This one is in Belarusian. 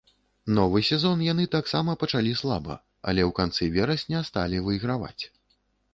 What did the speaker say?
Новы сезон яны таксама пачалі слаба, але ў канцы верасня сталі выйграваць.